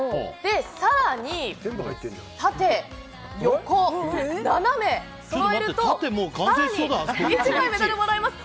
更に、縦、横、斜めそろえると更に１枚メダルがもらえます。